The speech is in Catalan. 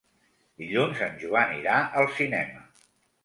Dilluns en Joan irà al cinema.